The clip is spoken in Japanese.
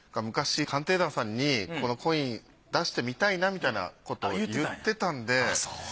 昔「鑑定団」さんにこのコイン出してみたいなみたいなことを言ってたんで。